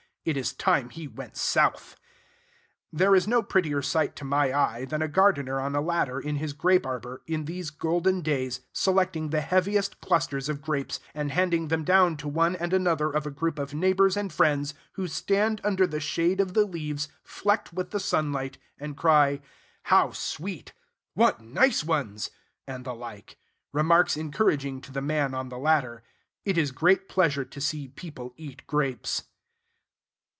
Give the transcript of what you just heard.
It is time he went south. There is no prettier sight, to my eye, than a gardener on a ladder in his grape arbor, in these golden days, selecting the heaviest clusters of grapes, and handing them down to one and another of a group of neighbors and friends, who stand under the shade of the leaves, flecked with the sunlight, and cry, "How sweet!" "What nice ones!" and the like, remarks encouraging to the man on the ladder. It is great pleasure to see people eat grapes.